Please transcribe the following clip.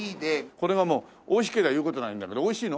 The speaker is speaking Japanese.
これがもう美味しけりゃ言う事ないんだけど美味しいの？